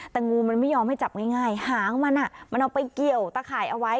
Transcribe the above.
แต่งูมันไม่ยอมให้จับง่ายหางมันมันเอาไปเกี่ยวตะข่ายเอาไว้